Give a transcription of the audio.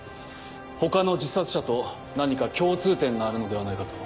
他の自殺者と何か共通点があるのではないかと。